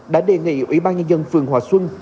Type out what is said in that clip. đã đề nghị ủy ban nhân dân phường hòa xuân